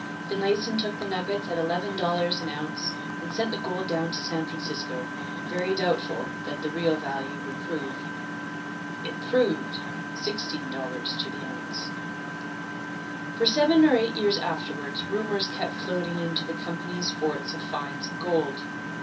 Finlayson took the nuggets at eleven dollars an ounce and sent the gold down to San Francisco, very doubtful what the real value would prove. It proved sixteen dollars to the ounce. For seven or eight years afterwards rumours kept floating in to the company's forts of finds of gold.